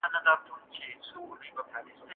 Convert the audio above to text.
د جذب قانون هم همداسې کار کوي.